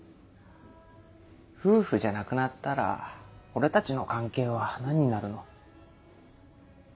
夫婦じゃなくなったら俺たちの関係は何になるの？